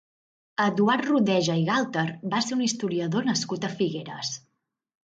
Eduard Rodeja i Galter va ser un historiador nascut a Figueres.